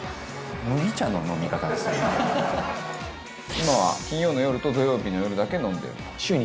今は金曜の夜と土曜日の夜だけ飲んでると。